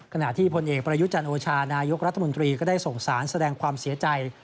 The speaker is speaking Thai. ขณะที่พลเอกประยุจันโอชานายกรัฐมนตรีก็ได้ส่งสารแสดงความเสียใจ